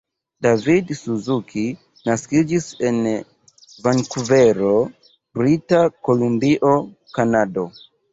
David Suzuki naskiĝis en Vankuvero, Brita Kolumbio, Kanado.